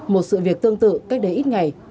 một sự việc tương tự cách đấy ít ngày